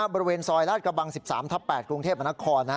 บริเวณซอยราชกระบัง๑๓ทับ๘กรุงเทพมนคร